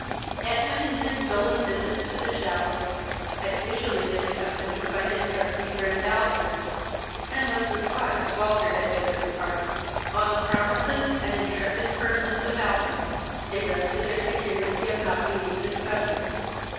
Edwin, in his stolen visits to the chapel, had usually been accompanied by his trusty friend Albert, and once or twice Walter had been of the party. On the promises and intrepid firmness of Albert they rested their security of not being discovered.